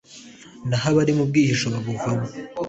naho abari mu bwihisho babuvamo